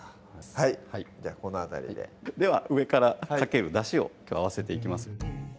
じゃあこの辺りででは上からかけるだしを合わせていきます